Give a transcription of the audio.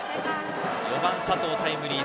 ４番佐藤、タイムリー。